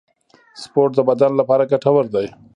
سپورت د بدن لپاره ګټور دی